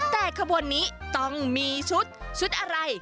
แต่ขบวนนี้ต้องมีชุดชุดอะไร